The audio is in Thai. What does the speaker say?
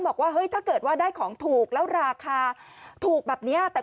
บอกว่าเฮ้ยถ้าเกิดว่าได้ของถูกแล้วราคาถูกแบบนี้แต่